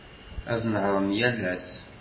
Ad nehhṛen yal ass.